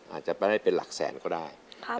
อาจจะเป็นหลักแสนก็ได้